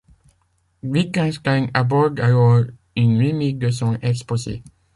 Wittgenstein aborde alors une limite de son exposé.